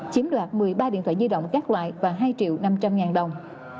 chiếm đoạt một mươi ba điện thoại di động các loại và hai triệu năm trăm linh ngàn đồng